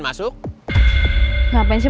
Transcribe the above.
masuk ngapain sih